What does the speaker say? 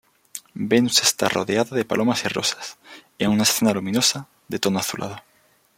Venus está rodeada de palomas y rosas, en una escena luminosa, de tono azulado.